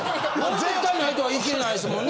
絶対ないとは言い切れないですもんね。